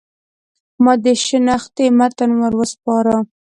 ما د شنختې متن ور وسپاره.